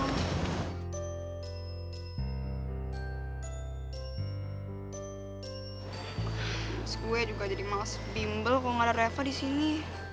abis gue juga jadi males bimbel kalo gak ada reva di sini